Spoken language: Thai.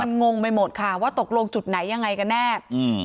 มันงงไปหมดค่ะว่าตกลงจุดไหนยังไงกันแน่อืม